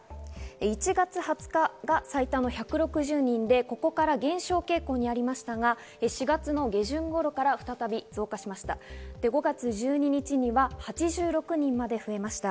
１月２０日が最多の１６０人で、ここから減少傾向にありましたが、４月の下旬頃から再び増加しました。